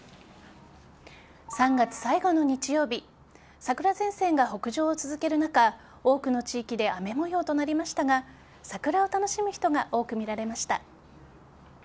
３月最後の日曜日桜前線が北上を続ける中多くの地域で雨模様となりましたが桜を楽しむ人が多く見られました。